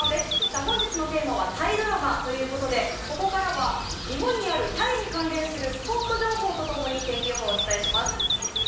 本日のテーマはタイドラマということでここからは日本にあるタイに関連するスポット情報と共に天気予報をお伝えします。